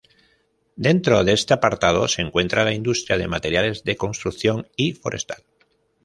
Dentro de este apartado se encuentra la industria de materiales de construcción y forestal.